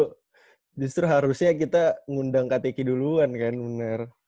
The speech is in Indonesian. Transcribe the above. nggak justru harusnya kita ngundang ktk duluan kan bener